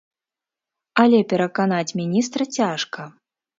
Але пераканаць міністра цяжка.